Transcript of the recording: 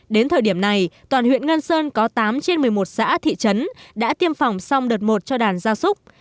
đến thời điểm này toàn huyện ngân sơn có tám trên một mươi một xã thị trấn đã tiêm phòng xong đợt một cho đàn gia súc